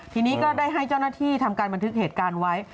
ทีนี้ก็ได้ให้เจ้าหน้าที่ทำการบันทึกเหตุการณ์ไว้